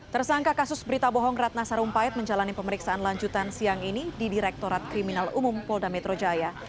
tersangka kasus berita bohong ratna sarumpait menjalani pemeriksaan lanjutan siang ini di direktorat kriminal umum polda metro jaya